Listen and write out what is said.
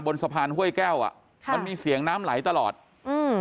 บนสะพานห้วยแก้วอ่ะค่ะมันมีเสียงน้ำไหลตลอดอืม